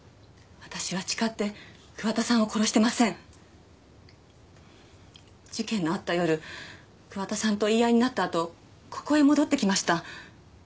私は誓って桑田さんを殺してません事件のあった夜桑田さんと言い合いになったあとここへ戻ってきました